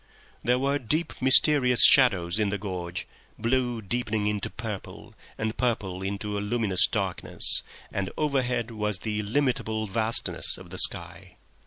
There were deep, mysterious shadows in the gorge, blue deepening into purple, and purple into a luminous darkness, and overhead was the illimitable vastness of the sky.